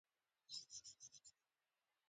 تېر کال مې له لس کلن بیلتون وروسته ولیده.